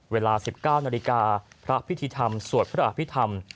เวลา๑๙นาฬิกาพระพิธีธรรมสวดพระอภิษฐรรม